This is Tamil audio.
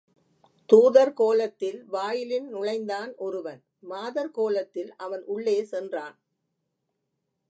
துாதர் கோலத்தில் வாயிலின் நுழைந்தான் ஒருவன், மாதர் கோலத்தில் அவன் உள்ளே சென்றான்.